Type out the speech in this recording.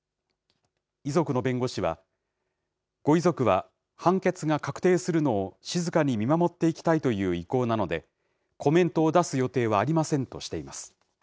遺族の弁護士は、ご遺族は判決が確定するのを静かに見守っていきたいという意向なので、コメントを出す予定はありませんとしています。